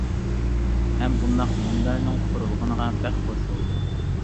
ھەم بۇنداق مۇنبەرنىڭ قۇرۇلغىنىغا بەك خوش بولدۇم.